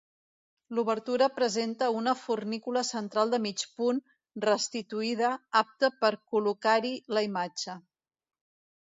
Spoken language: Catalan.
L'obertura presenta una fornícula central de mig punt, restituïda, apte per col·locar-hi la imatge.